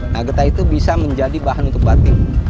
nah getah itu bisa menjadi bahan untuk batik